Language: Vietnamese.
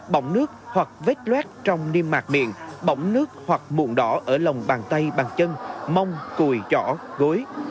bỏng nước hoặc vết loát trong niêm mạc miệng bỏng nước hoặc muộn đỏ ở lòng bàn tay bàn chân mông cùi chỏ gối